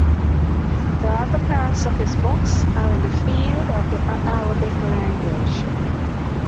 The other part of his books are in the field of the Arabic language.